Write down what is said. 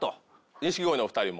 錦鯉のお２人も？